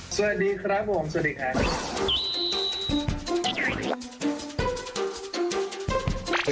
สวัสดีครับผมสวัสดีครับ